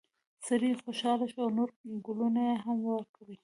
سړی خوشحاله شو او نور ګلونه یې هم وکري.